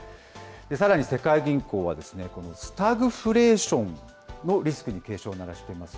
さらに世界銀行は、このスタグフレーションのリスクに警鐘を鳴らしています。